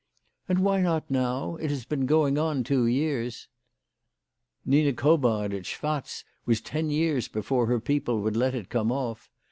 ''And why not now? It has been going on two years." " Nina Cobard at Schwatz was ten years before her people would let it come off.